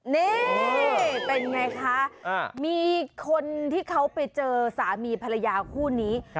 นี่เป็นไงคะมีคนที่เขาไปเจอสามีภรรยาคู่นี้